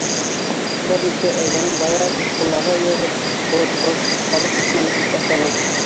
Бер нисә әҙәм, баяғы Хисбуллаға эйәреп, ҡоротҡос, халыҡ дошманы, тип атаны.